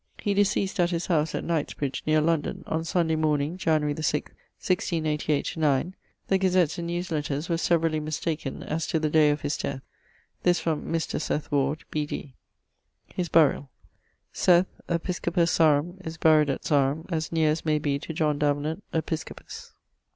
He deceased at his house at Knightsbridge neer London, on Sunday morning, January the sixth, 1688/9: the Gazetts and Newsletters were severally mistaken as to the day of his death. This from Mr. Seth Ward, B.D. <_His burial._> Seth, episcopus Sarum, is buried at Sarum as neer as may be to John Davenant, episcopus.